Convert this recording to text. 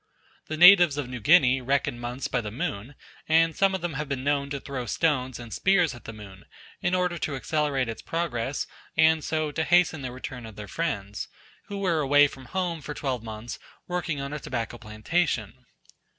The natives of New Guinea reckon months by the moon, and some of them have been known to throw stones and spears at the moon, in order to accelerate its progress and so to hasten the return of their friends, who were away from home for twelve months working on a tobacco plantation.